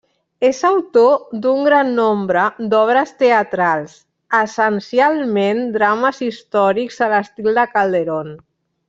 És autor d'un gran nombre d'obres teatrals, essencialment drames històrics a l'estil de Calderón.